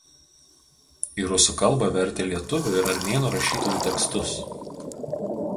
Į rusų kalbą vertė lietuvių ir armėnų rašytojų tekstus.